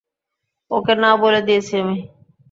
ওকে না বলে দিয়েছি আমি।